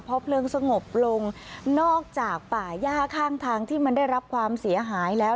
พอเพลิงสงบลงนอกจากป่าย่าข้างทางที่มันได้รับความเสียหายแล้ว